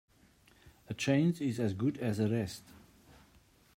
A change is as good as a rest.